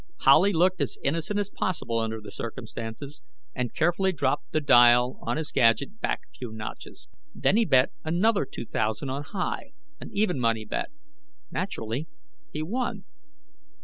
Howley looked as innocent as possible under the circumstances, and carefully dropped the dial on his gadget back a few notches. Then he bet another two thousand on High, an even money bet. Naturally, he won.